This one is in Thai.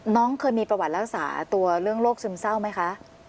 น้องเคยมีประวัติรักษาตัวเรื่องโรคซึมเศร้าไหมคะ